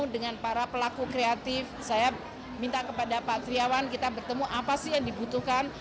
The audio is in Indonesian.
dengan para pelaku kreatif saya minta kepada pak triawan kita bertemu apa sih yang dibutuhkan